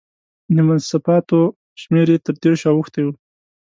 د مصنفاتو شمېر یې تر دېرشو اوښتی و.